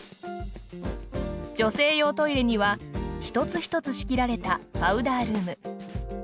女性用トイレには一つ一つ仕切られたパウダールーム。